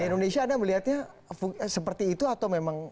indonesia anda melihatnya seperti itu atau memang